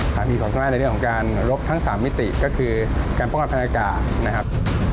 มีความสามารถในเรื่องของการลบทั้ง๓มิติก็คือการป้องกันทางอากาศนะครับ